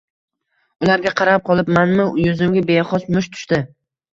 Ularga qarab qolibmanmi, yuzimga bexos musht tushdi.